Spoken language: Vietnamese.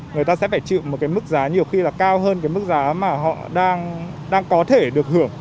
người ta sẽ phải chịu một cái mức giá nhiều khi là cao hơn cái mức giá mà họ đang có thể được hưởng